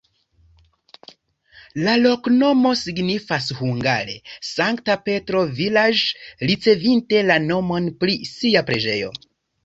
La loknomo signifas hungare: Sankta Petro-vilaĝ', ricevinte la nomon pri sia preĝejo.